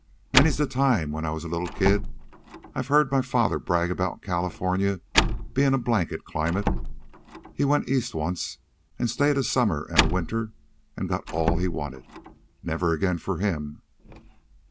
Many's the time, when I was a little kid, I've heard my father brag about California's bein' a blanket climate. He went East, once, an' staid a summer an' a winter, an' got all he wanted. Never again for him."